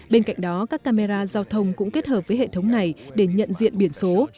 bên cạnh đó các camera giao thông cũng kết hợp với hệ thống này để nhận diện biển số